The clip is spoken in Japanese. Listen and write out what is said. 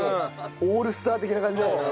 オールスター的な感じだよね。